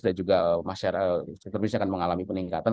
dan juga sektor bisnis akan mengalami peningkatan